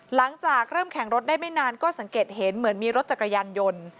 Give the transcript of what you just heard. หลังจากเริ่มแข่งรถได้ไม่นานก็สังเกตเห็นเหมือนมีรถจักรยานยนต์